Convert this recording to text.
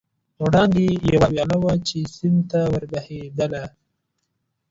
وړاندې یوه ویاله وه، چې سیند ته ور بهېدل.